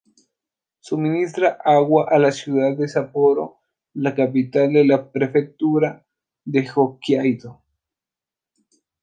Suministra agua a la ciudad de Sapporo, la capital de la prefectura de Hokkaido.